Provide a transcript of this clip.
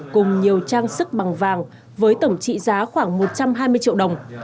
cùng nhiều trang sức bằng vàng với tổng trị giá khoảng một trăm hai mươi triệu đồng